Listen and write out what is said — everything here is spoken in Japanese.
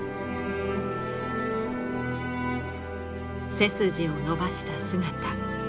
背筋を伸ばした姿。